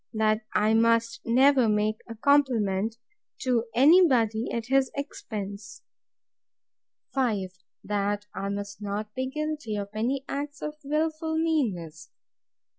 That I must never make a compliment to any body at his expense. 5. That I must not be guilty of any acts of wilful meanness.